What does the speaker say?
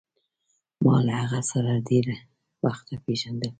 ما له هغه سره له ډېره وخته پېژندل.